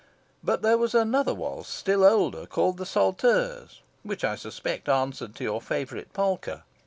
But there was another waltz still older, called the Sauteuse, which I suspect answered to your favourite polka.